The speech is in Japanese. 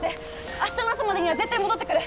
明日の朝までには絶対戻ってくる！